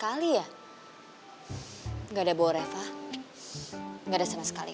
hidup guearded itu seumur tiga saat kok